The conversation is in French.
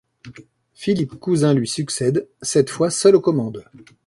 Philippe Cousyn lui succède, cette fois seul aux commandes.